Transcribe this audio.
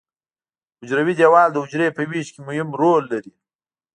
حجروي دیوال د حجرې په ویش کې مهم رول لري.